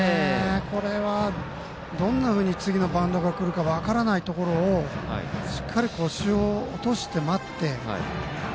これは、どんなふうに次のバウンドが分からないところをしっかり腰を落として待って。